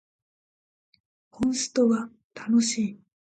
モンストは楽しい